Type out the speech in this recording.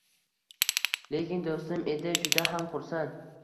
Lekin do‘stim edi juda ham xursand